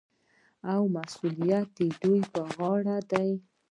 او مسوولیت یې د دوی په غاړه دی.